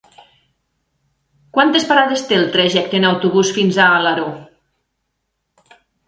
Quantes parades té el trajecte en autobús fins a Alaró?